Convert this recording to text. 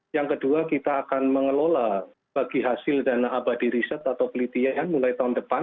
yang kedua kita akan mengelola bagi hasil dana abadi riset atau pelitian mulai tahun depan